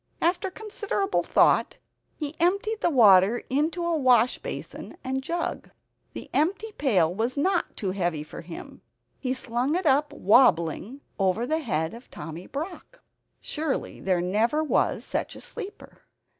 After considerable thought, he emptied the water into a wash basin and jug. The empty pail was not too heavy for him; he slung it up wobbling over the head of Tommy Brock. Surely there never was such a sleeper!